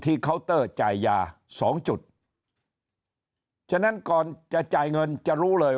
เคาน์เตอร์จ่ายยาสองจุดฉะนั้นก่อนจะจ่ายเงินจะรู้เลย